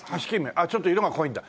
あっちょっと色が濃いんだ。